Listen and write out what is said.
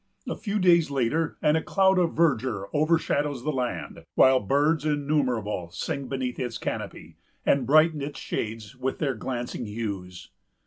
A few days later, and a cloud of verdure overshadows the land; while birds innumerable sing beneath its canopy, and brighten its shades with their glancing hues.